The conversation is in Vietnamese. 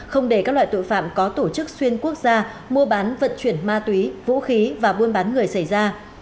không để các loại tội phạm có tổ chức xuyên quốc gia mua bán vận chuyển ma túy vũ khí và buôn bán người xảy ra